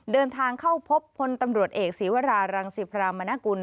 เดินทางเข้าพบพลตำรวจเอกศีวรารังสิพรามนกุล